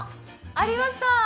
ありました！